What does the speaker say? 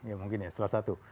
ya mungkin ya salah satu